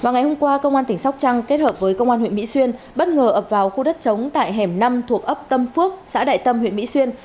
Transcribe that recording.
ngày hôm qua công an tỉnh sóc trăng kết hợp với công an huyện mỹ xuyên bất ngờ ập vào khu đất chống tại hẻm năm thuộc ấp tâm phước xã đại tâm huyện mỹ xuyên